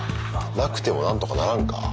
なくても何とかならんか？